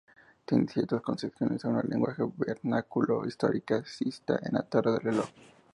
Tiene ciertas concesiones a un lenguaje vernáculo historicista en la torre del reloj.